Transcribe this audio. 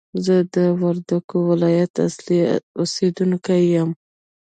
زه د وردګ ولایت اصلي اوسېدونکی یم!